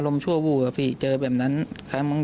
ลุยสวย่ง